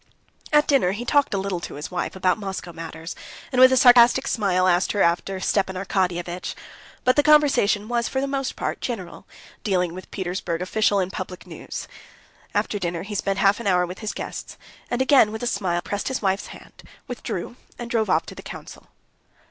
At dinner he talked a little to his wife about Moscow matters, and, with a sarcastic smile, asked her after Stepan Arkadyevitch; but the conversation was for the most part general, dealing with Petersburg official and public news. After dinner he spent half an hour with his guests, and again, with a smile, pressed his wife's hand, withdrew, and drove off to the council.